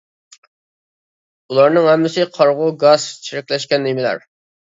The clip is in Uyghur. ئۇلارنىڭ ھەممىسى قارىغۇ، گاس، چىرىكلەشكەن نېمىلەر.